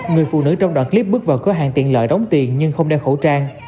người phụ nữ trong đoạn clip bước vào cửa hàng tiện lợi đóng tiền nhưng không đeo khẩu trang